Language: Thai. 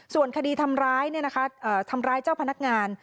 ส่วนคดีทำร้ายทำร้ายเจ้าพนักงาน